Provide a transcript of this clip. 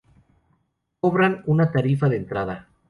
Cobran una tarifa de entrada.